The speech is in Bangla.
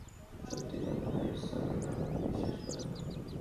সত্যিটা তো এই স্যার, ওরা আমাকে বিশ্বাস করে না।